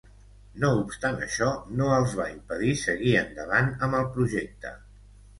No obstant això, no els va impedir seguir endavant amb el projecte.